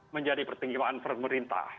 menjadi pertinggiwaan pemerintah